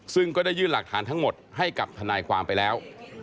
ซึ่งก็ได้ยื่นหลักฐานทั้งหมดให้กับทนายความไปแล้ว